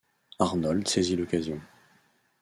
Arnold saisit l'occasion.